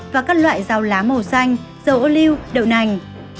và các loại dầu lá màu xanh dầu ô liu đậu nành